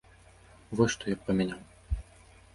Вось, што я б памяняў.